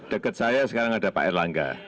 dekat saya sekarang ada pak erlangga